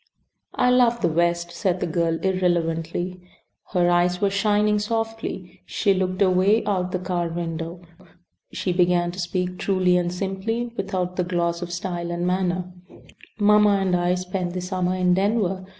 "I love the West," said the girl irrelevantly. Her eyes were shining softly. She looked away out the car window. She began to speak truly and simply without the gloss of style and manner: "Mamma and I spent the summer in Denver.